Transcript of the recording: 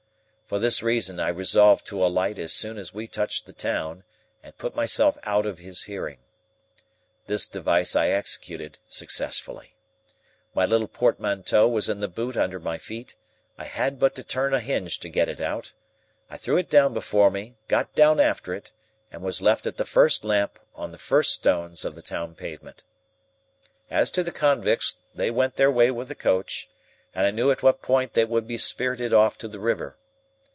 For this reason, I resolved to alight as soon as we touched the town, and put myself out of his hearing. This device I executed successfully. My little portmanteau was in the boot under my feet; I had but to turn a hinge to get it out; I threw it down before me, got down after it, and was left at the first lamp on the first stones of the town pavement. As to the convicts, they went their way with the coach, and I knew at what point they would be spirited off to the river.